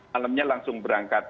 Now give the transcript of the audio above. malamnya langsung berangkat